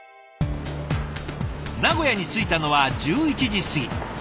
名古屋に着いたのは１１時過ぎ。